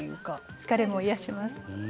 疲れも癒やします。